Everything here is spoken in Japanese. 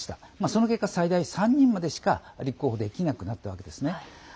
その結果、最大３人までしか立候補できなくなったわけですね。